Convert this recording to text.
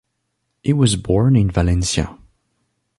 He was born in Valencia.